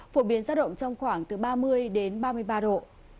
phổ biến ra động trong khoảng từ ba mươi đến ba mươi ba độ